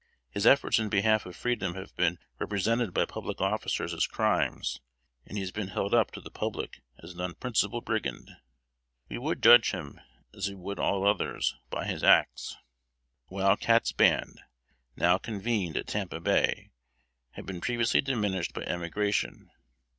His efforts in behalf of freedom have been represented by public officers as crimes, and he has been held up to the public as an unprincipled brigand. We would judge him, as we would all others, by his acts. Wild Cat's band, now convened at Tampa Bay, had been previously diminished by emigration.